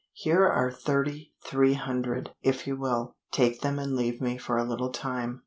"Here are thirty three hundred, if you will. Take them and leave me for a little time."